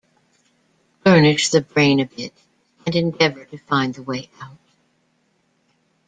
Burnish the brain a bit and endeavour to find the way out.